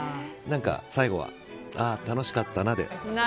最後は、ああ楽しかったなで。